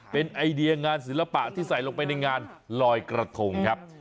เป็นไอเดียงานศิลปะที่ใส่ลงไปในงานลอยกระทงครับ